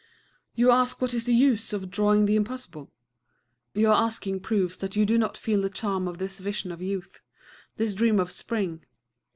You ask what is the use of drawing the Impossible? Your asking proves that you do not feel the charm of this vision of youth, this dream of spring.